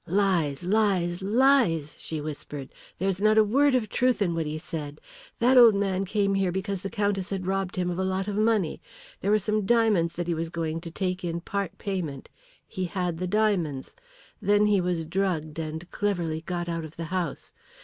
"Lies, lies, lies!" she whispered. "There is not a word of truth in what he said. That old man came here because the Countess had robbed him of a lot of money. There were some diamonds that he was going to take in part payment. He had the diamonds. Then he was drugged and cleverly got out of the house.